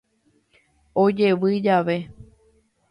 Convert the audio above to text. Ojevy jave.